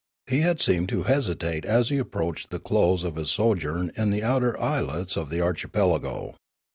He had seemed to hesi tate as he approached the close of his sojourn in the outer islets of the archipelago.